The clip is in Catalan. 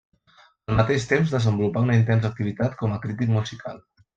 Al mateix temps desenvolupà una intensa activitat com a crític musical.